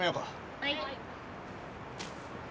はい。